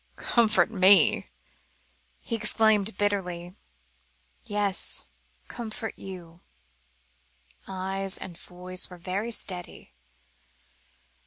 "Comfort me?" he exclaimed bitterly. "Yes, comfort you," eyes and voice were very steady.